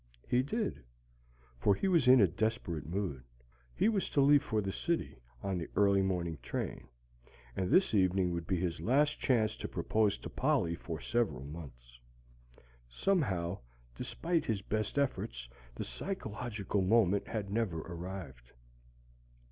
He did; for he was in a desperate mood. He was to leave for the city on the early morning train, and this evening would be his last chance to propose to Polly for several months. Somehow, despite his best efforts, the psychological moment had never arrived.